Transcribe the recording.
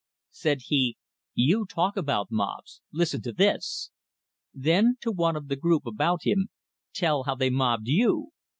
Said he: "You talk about mobs listen to this." Then, to one of the group about him: "Tell how they mobbed you!"